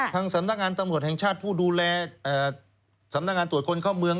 สำนักงานตำรวจแห่งชาติผู้ดูแลสำนักงานตรวจคนเข้าเมือง